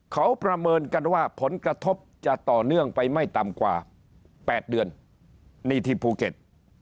เขาประเมินกันว่าผลกระทบจะต่อเนื่องไปไม่ต่ำกว่า๘เดือนนี่ที่ภูเก็ต